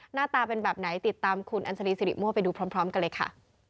หน้าตาเป็นแบบไหนติดตามคุณอัญชรีสิริมั่วไปดูพร้อมกันเลยค่ะ